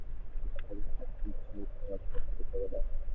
কিন্তু প্রকৃত পক্ষে উৎসের ভর কখনও কমে না।